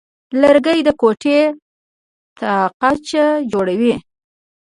لرګی د کوټې تاقچه جوړوي.